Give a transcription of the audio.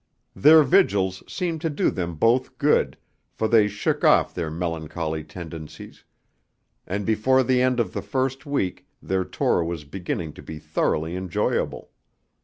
Their vigils seemed to do them both good, for they shook off their melancholy tendencies, and before the end of the first week their tour was beginning to be thoroughly enjoyable.